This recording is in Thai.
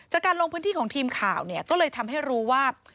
จากการลงพื้นที่ของทีมข่าวเนี่ยก็เลยทำให้รู้ว่า